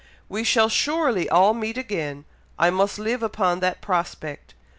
We shall surely all meet again. I must live upon that prospect.